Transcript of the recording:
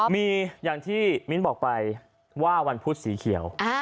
มีอย่างที่มิ้นบอกไปว่าวันพุธสีเขียว